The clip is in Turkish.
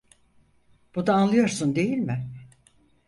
Bunu anlıyorsun, değil mi?